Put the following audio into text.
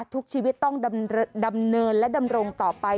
ทุกชีวิตต้องดำเนินและดำรงต่อไป